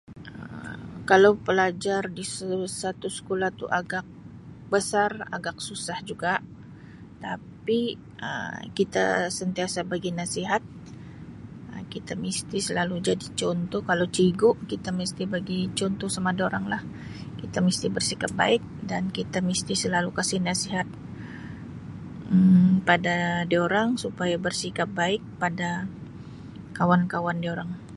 Um Kalau pelajar di seluruh satu sekolah tu agak besar agak susah juga tapi Um kita sentiasa bagi nasihat Um kita mesti selalu jadi contoh kalau cigu kita mesti bagi contoh sama duranglah, kita mesti bersikap baik dan kita mesti selalu kasi nasihat Um pada diorang supaya bersikap baik kepada kawan-kawan diorang.